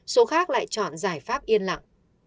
số khác lại chọn giải pháp yên lặng